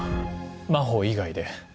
真帆以外で。